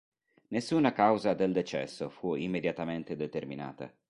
Nessuna causa del decesso fu immediatamente determinata.